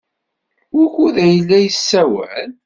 Wukud ay la tessawal?